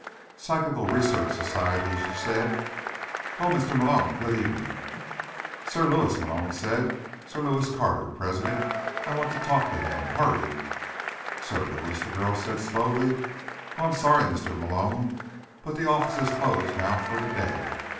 "Psychical Research Society," she said. "Oh, Mr. Malone, good evening." "Sir Lewis," Malone said. "Sir Lewis Carter. President. I want to talk to him. Hurry." "Sir Lewis?" the girl said slowly. "Oh, I'm sorry, Mr. Malone, but the office is closed now for the day.